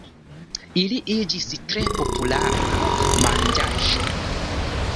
Ili iĝis tre populara manĝaĵo.